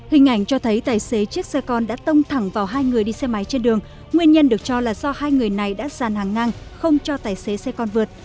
hình ảnh cho thấy tài xế chiếc xe con đã tông thẳng vào hai người đi xe máy trên đường nguyên nhân được cho là do hai người này đã dàn hàng ngang không cho tài xế xe con vượt